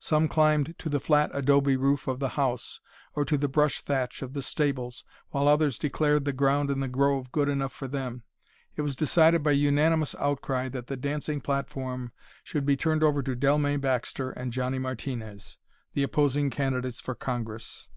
Some climbed to the flat adobe roof of the house, or to the brush thatch of the stables, while others declared the ground in the grove good enough for them. It was decided by unanimous outcry that the dancing platform should be turned over to Dellmey Baxter and Johnny Martinez, the opposing candidates for Congress.